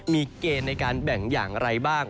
มีเกณฑ์ในการแบ่งอย่างไรบ้าง